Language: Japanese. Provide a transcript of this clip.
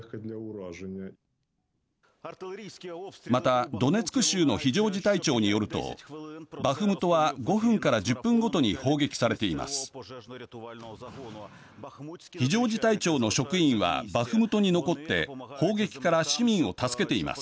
また、ドネツク州の非常事態庁によるとバフムトは５分から１０分ごとに砲撃されています。